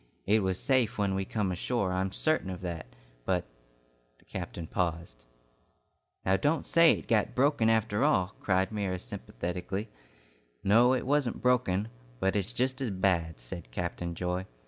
It was safe when we come ashore, I'm certain of that, but " The captain paused. "Now don't say it got broken after all!" cried Myra sympathetically. "No, it wasn't broken, but it's just as bad," said Captain Joy.